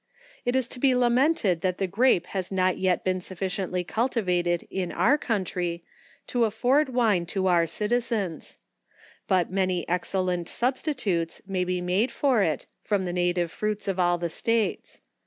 It is to be lamented that the grape has not as yet been sufficiently cultivated in our country, to afford wine for our citizens ; but many excellent substitutes may be made for it, from the native fruits of all the states.